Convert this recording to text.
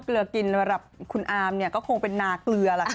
เกลือกินสำหรับคุณอามเนี่ยก็คงเป็นนาเกลือล่ะค่ะ